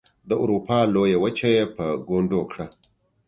د اروپا لویه وچه یې په ګونډو کړه.